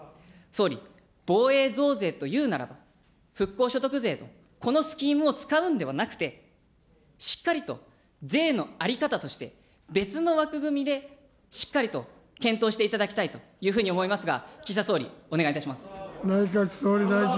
総理、防衛増税というならば、復興所得税と、このスキームを使うんではなくて、しっかりと税の在り方として、別の枠組みで、しっかりと検討していただきたいというふうに思いますが、岸田総理、お願いいたします。